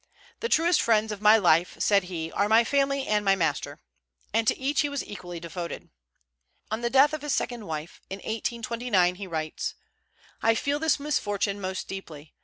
"The truest friends of my life," said he, "are my family and my master;" and to each he was equally devoted. On the death of his second wife, in 1829, he writes, "I feel this misfortune most deeply.